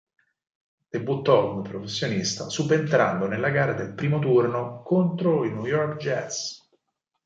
Debuttò come professionista subentrando nella gara del primo turno contro i New York Jets.